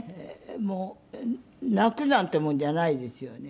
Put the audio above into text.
もう泣くなんてもんじゃないですよね。